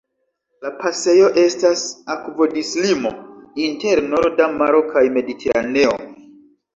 La pasejo estas akvodislimo inter Norda Maro kaj Mediteraneo.